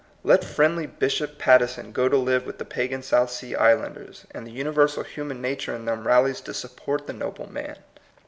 Let friendly Bishop Patteson go to live with the pagan South Sea Islanders, and the universal human nature in them ral lies to support the noble man.